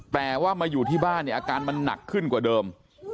แต่ว่ามาอยู่ที่บ้านเนี่ยอาการมันหนักขึ้นกว่าเดิม